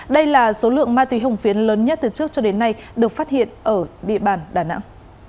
đây là số lượng ma túy hồng phiến lớn nhất từ trước cho đến nay được phát hiện ở địa bàn đà nẵng